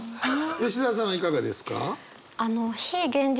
吉澤さんはいかがですか？